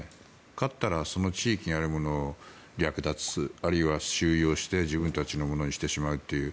勝ったらその地域にあるものを略奪あるいは、収用して自分たちのものにしてしまうという。